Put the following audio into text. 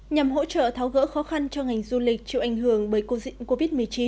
nhằm hỗ trợ tháo gỡ khó khăn cho ngành du lịch chịu ảnh hưởng bởi covid một mươi chín